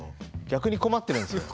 逆に困ってるんですよ。